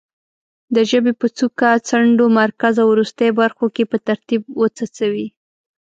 د ژبې په څوکه، څنډو، مرکز او وروستۍ برخو کې په ترتیب وڅڅوي.